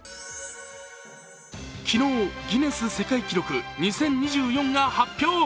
昨日、「ギネス世界記録２０２４」が発表。